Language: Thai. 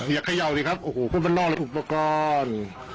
อยากเขย่าดีครับโอ้โหพวกมันล่วงอุปกรณ์